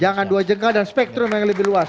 jangan dua jengkal dan spektrum yang lebih luas